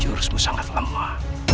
jurusmu sangat lemah